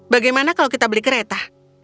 bagaimana kalau kita beli kereta